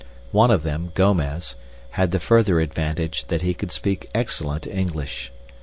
One of them, Gomez, had the further advantage that he could speak excellent English.